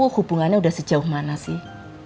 hubungannya sudah sejauh mana sih